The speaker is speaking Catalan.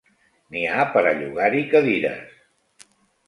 N'hi ha per a llogar-hi cadires.